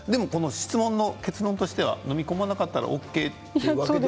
質問の結論として飲み込まなければＯＫということですか？